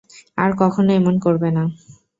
আর কখনও এমন করবে না।